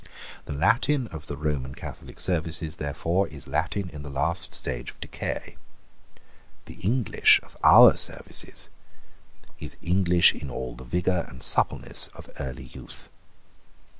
The Latin of the Roman Catholic services, therefore, is Latin in the last stage of decay. The English of our services is English in all the vigour and suppleness of early youth.